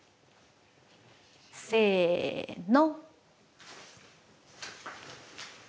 せの。